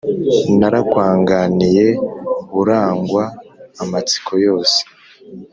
narakwanganiye burangwa amatsiko yose